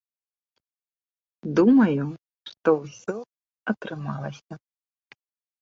Думаю, што ўсё атрымалася.